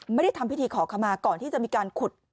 ไม่ได้ทำพิธีขอขมาก่อนที่จะมีการขุด